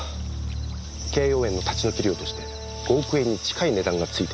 敬葉園の立ち退き料として５億円に近い値段がついている。